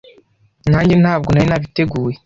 Nanjye ntabwo nari nabiteguye,